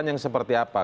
yang seperti apa